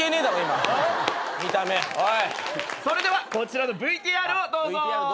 それではこちらのＶＴＲをどうぞ。